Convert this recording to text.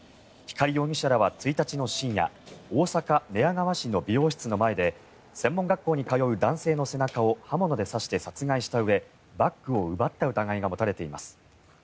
光容疑者らは１日の深夜大阪・寝屋川市の美容室の前で専門学校に通う男性の背中を刃物で刺して殺害したうえバッグを奪った疑いが持たれています。